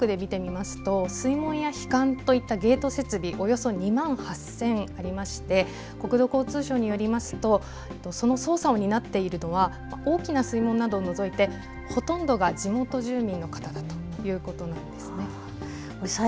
全国で見てみますと水門や樋管といったゲート設備、およそ２万８０００ありまして国土交通省によりますとその操作を担っているのは大きな水門などを除いてほとんどが地元住民の方だということなんです。